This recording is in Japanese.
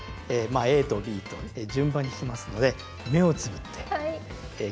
ＡとＢと順番に弾きますので目をつぶって聴いてみて下さい。